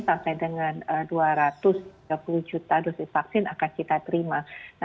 sampai dengan dua ratus tiga puluh juta dosis vaksin akan kita terima